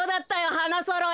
花そろえ。